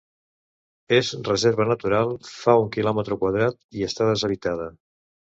És reserva natural, fa un quilòmetre quadrat i està deshabitada.